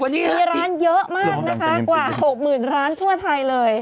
มีร้านเยอะมากนะคะกว่า๖หมื่นร้านทั่วไทยเลย